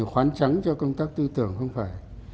khoán trắng cho công tác tư tưởng không phải